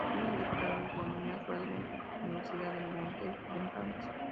Tiene un doctorado en economía rural de la Universidad de Montpellier en Francia.